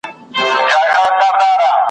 کار چي څوک بې استاد وي بې بنیاد وي `